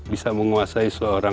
bisa menguasai seorang